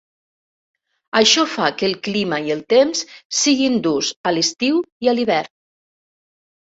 Això fa que el clima i el temps siguin durs a l'estiu i a l'hivern.